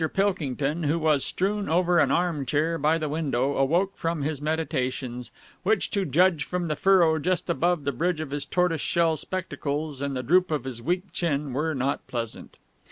Pilkington, who was strewn over an arm chair by the window, awoke from his meditations, which, to judge from the furrow just above the bridge of his tortoise shell spectacles and the droop of his weak chin, were not pleasant.